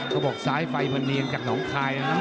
เขาบอกซ้ายไฟเมียงอย่างจากหนองคลายนะน้องขาย